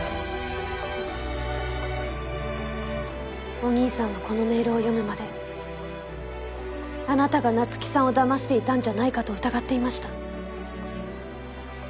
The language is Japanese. お兄さんはこのメールを読むまであなたが菜月さんを騙していたんじゃないかと疑っていました。